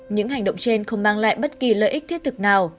những hành động trên không mang lại bất kỳ lợi ích thiết thực nào